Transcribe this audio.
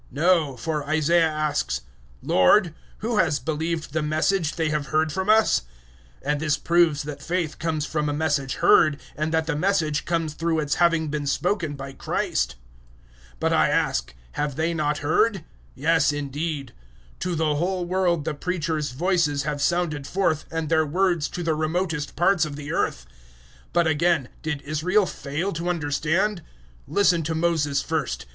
No, for Isaiah asks, "Lord, who has believed the Message they have heard from us?" 010:017 And this proves that faith comes from a Message heard, and that the Message comes through its having been spoken by Christ. 010:018 But, I ask, have they not heard? Yes, indeed: "To the whole world the preachers' voices have sounded forth, and their words to the remotest parts of the earth." 010:019 But again, did Israel fail to understand? Listen to Moses first.